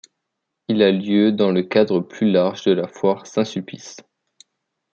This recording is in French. Il a lieu dans le cadre plus large de la Foire Saint-Sulpice.